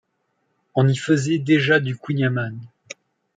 On y faisait déjà du kouign-amann.